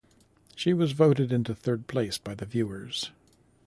She was voted into third place by the viewers.